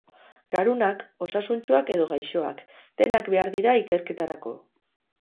Garunak, osasuntsuak edo gaixoak, denak behar dira ikerketarako.